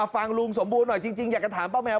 ฟังลุงสมบูรณ์หน่อยจริงอยากจะถามป้าแมว